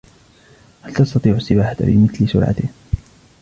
هل تستطيع السباحة بمثل سرعته ؟